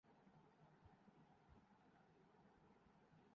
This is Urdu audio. بی بی سی اردو کو اردو نہیں آتی تیندوا ہندی میں ہوتاہے